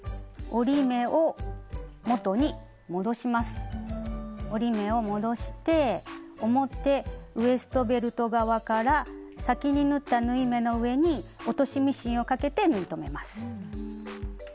折り目を戻して表ウエストベルト側から先に縫った縫い目の上に落としミシンをかけて縫い留めます。